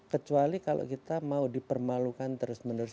kecuali kalau kita mau dipermalukan terus menerus